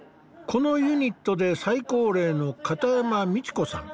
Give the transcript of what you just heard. このユニットで最高齢の片山道子さん。